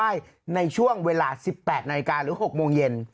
ในช่วงเวลา๑๘นาฬิกาหรือ๖โมงเย็น